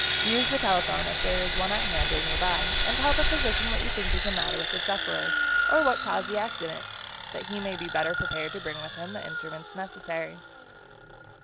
Use the telephone, if there is one at hand or nearby, and tell the physician what you think is the matter with the sufferer or what caused the accident, that he may be better prepared to bring with him the instruments necessary.